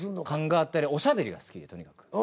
勘があったりおしゃべりが好きでとにかく。